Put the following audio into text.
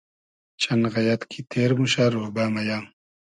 چئن غئیئد کی تیر موشۂ رۉبۂ مئیۂ